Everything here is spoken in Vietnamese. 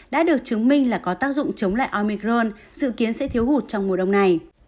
đã được chứng minh là có tác dụng chống lại omicron dự kiến sẽ thiếu hụt trong mùa đông này